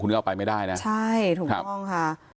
คุณก็เอาไปไม่ได้นะใช่ถูกต้องค่ะ